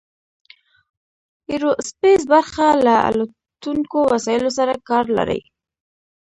ایرو سپیس برخه له الوتونکو وسایلو سره کار لري.